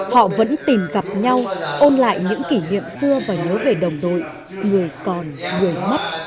họ vẫn tìm gặp nhau ôn lại những kỷ niệm xưa và nhớ về đồng đội người còn người mất